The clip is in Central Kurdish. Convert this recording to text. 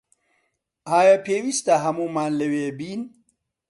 ئایا پێویستە هەموومان لەوێ بین؟